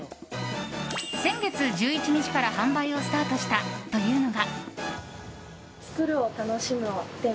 先月１１日から販売をスタートしたというのが。